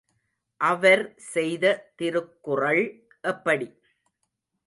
அவர் செய்த திருக்குறள் எப்படி?